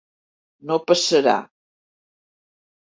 No passarà.